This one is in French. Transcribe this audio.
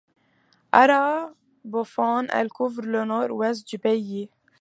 Arabophone, elle couvre le nord-ouest du pays.